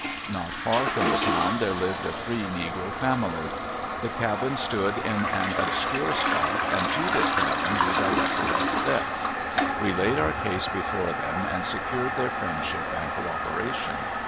Not far from the town there lived a free negro family. The cabin stood in an obscure spot, and to this cabin we directed our steps. We laid our case before them and secured their friendship and co operation.